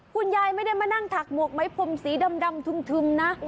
คุณยายไม่ได้มานั่งถักหมวกไม้พรมสีดำทึมนะ